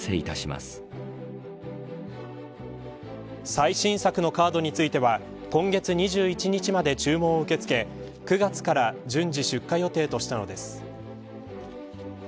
最新作のカードについては今月２１日まで注文を受け付け９月から順次出荷予定としたのです。